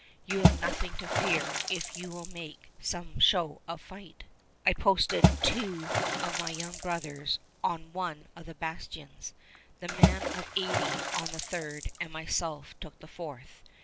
You have nothing to fear if you will make some show of fight!" I posted two of my young brothers on one of the bastions, the old man of eighty on the third, and myself took the fourth.